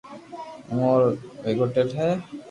جو رو ويگوتيل ھي